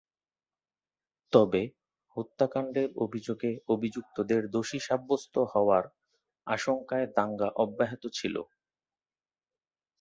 তবে, হত্যাকাণ্ডের অভিযোগে অভিযুক্তদের দোষী সাব্যস্ত হওয়ার আশঙ্কায় দাঙ্গা অব্যাহত ছিল।